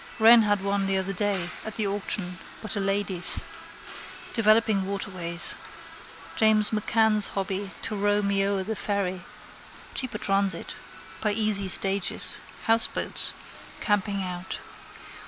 Wren had one the other day at the auction but a lady's. Developing waterways. James M'Cann's hobby to row me o'er the ferry. Cheaper transit. By easy stages. Houseboats. Camping out.